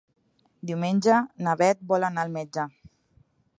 Diumenge na Bet vol anar al metge.